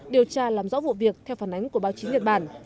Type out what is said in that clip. điều tra làm rõ vụ việc theo phản ánh của báo chí nhật bản